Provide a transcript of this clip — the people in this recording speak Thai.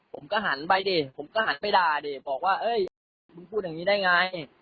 ผมก็หันไปดิผมก็หันไปด่าดิบอกว่าเอ้ยมึงพูดอย่างนี้ได้ไง